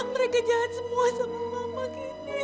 mereka jahat semua sama mama gini